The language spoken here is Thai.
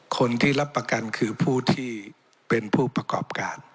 คนที่รับประกันคือผู้ที่เป็นผู้ประกอบการ